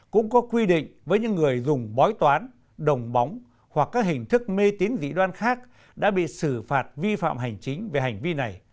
cũng có quy định với những người dùng bói toán đồng bóng hoặc các hình thức mê tín dị đoan khác đã bị xử phạt vi phạm hành chính về hành vi này